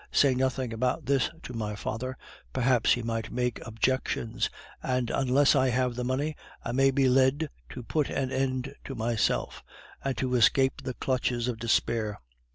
Say nothing about this to my father; perhaps he might make objections, and unless I have the money, I may be led to put an end to myself, and so escape the clutches of despair.